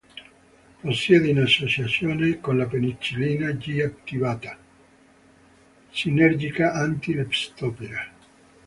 Possiede in associazione con la penicillina G attività sinergica anti-leptospira.